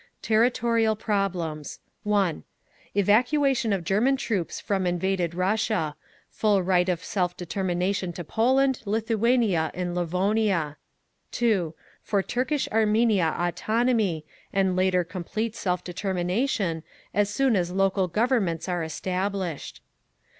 Territorial Problems (1) Evacuation of German troops from invaded Russia. Full right of self determination to Poland, Lithuania and Livonia. (2) For Turkish Armenia autonomy, and later complete self determination, as soon as local Governments are established.